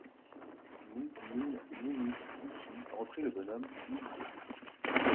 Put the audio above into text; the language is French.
Mi, min, minute, ici, reprit le bonhomme, lui disait.